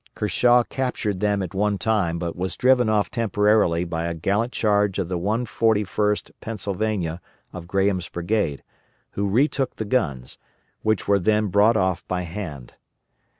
Kershaw captured them at one time but was driven off temporarily by a gallant charge of the 141st Pennsylvania of Graham's brigade, who retook the guns, which were then brought off by hand.